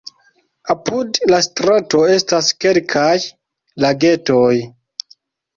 Apud la strato estas kelkaj lagetoj.